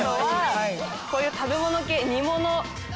こういう食べ物系。